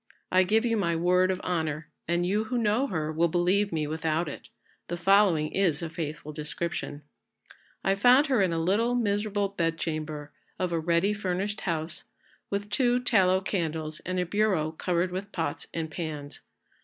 I give you my word of honour, and you who know her will believe me without it, the following is a faithful description: I found her in a little miserable bedchamber of a ready furnished house, with two tallow candles and a bureau covered with pots and pans.